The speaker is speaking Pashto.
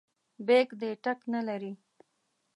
بیک دې ټک نه لري.